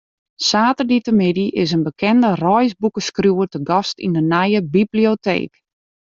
Saterdeitemiddei is in bekende reisboekeskriuwer te gast yn de nije biblioteek.